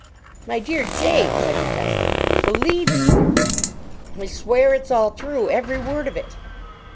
"My dear James!" I protested. "Believe you!" "I swear it's all true. Every word of it."